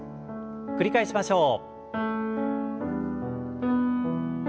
繰り返しましょう。